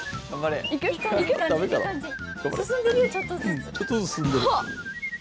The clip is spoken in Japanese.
うんちょっとずつ進んでる。